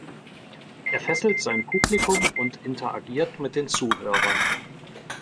Er fesselt sein Publikum und interagiert mit den Zuhörern.